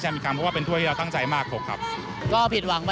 หรือว่าใครต้องไปด้วย